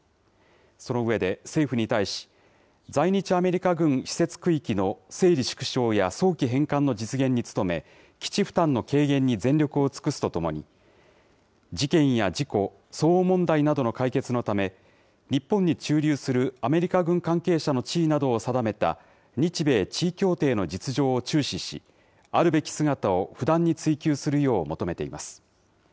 その上で政府に対し、在日アメリカ軍施設区域の整理縮小や早期返還の実現に努め、基地負担の軽減に全力を尽くすとともに、事件や事故、騒音問題の解決のため、日本に駐留するアメリカ軍関係者の地位などを定めた、日米地位協定の実情を注視し、あるべき姿を不断に追求するよう求めています。